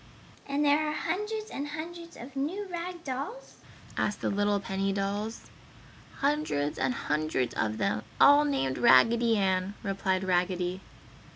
"And there are hundreds and hundreds of the new rag dolls?" asked the little penny dolls. "Hundreds and hundreds of them, all named Raggedy Ann," replied Raggedy.